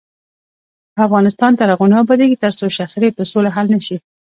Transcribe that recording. افغانستان تر هغو نه ابادیږي، ترڅو شخړې په سوله حل نشي.